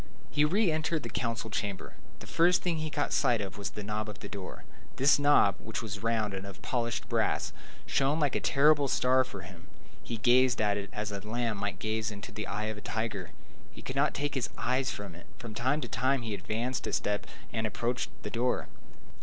He re entered the council chamber. The first thing he caught sight of was the knob of the door. This knob, which was round and of polished brass, shone like a terrible star for him. He gazed at it as a lamb might gaze into the eye of a tiger. He could not take his eyes from it. From time to time he advanced a step and approached the door.